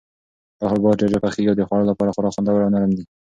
دا حبوبات ډېر ژر پخیږي او د خوړلو لپاره خورا خوندور او نرم دي.